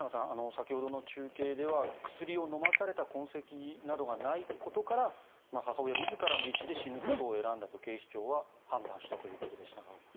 先ほどの中継では薬を飲まされた痕跡などがないことから母親自らの意思で死ぬことを選んだと警視庁は判断したということでしたが。